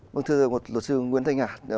thưa thưa một luật sư nguyễn thanh hà